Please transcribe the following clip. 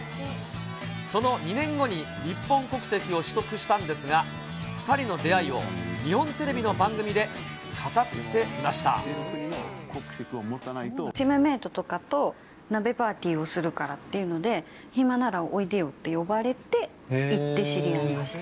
その２年後に日本国籍を取得したんですが、２人の出会いを日本テチームメートとかと鍋パーティーをするからっていうので、暇ならおいでよって呼ばれて、行って、知り合いました。